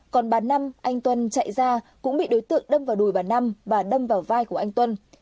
còn bà năm anh tuân chạy ra cũng bị đối tượng đâm vào đùi bà năm và đâm vào vai của anh tuân